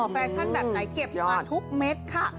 แฟชั่นแบบไหนเก็บมาทุกเม็ดค่ะ